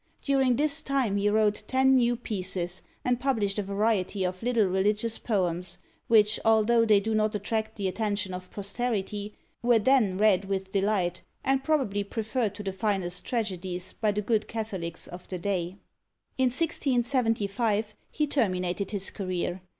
During this time he wrote ten new pieces, and published a variety of little religious poems, which, although they do not attract the attention of posterity, were then read with delight, and probably preferred to the finest tragedies by the good catholics of the day. In 1675 he terminated his career.